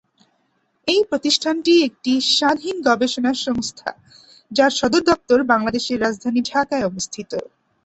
এই প্রতিষ্ঠানটি একটি স্বাধীন গবেষণা সংস্থা যার সদরদপ্তর বাংলাদেশের রাজধানী ঢাকায় অবস্থিত।